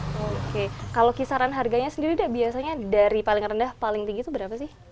oke kalau kisaran harganya sendiri dari paling rendah sampai paling tinggi itu berapa